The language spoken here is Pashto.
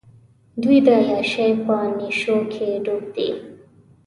دوۍ د عیاشۍ په نېشوکې ډوب دي.